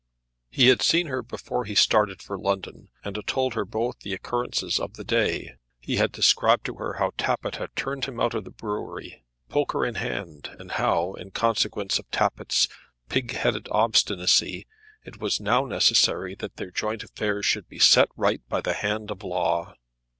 He had seen her before he started for London, and had told her both the occurrences of the day. He had described to her how Tappitt had turned him out of the brewery, poker in hand, and how, in consequence of Tappitt's "pig headed obstinacy," it was now necessary that their joint affairs should be set right by the hand of the law.